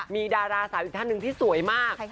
มีดาราสาวอีกท่านหนึ่งที่สวยมาก